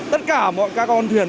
tất cả mọi con thuyền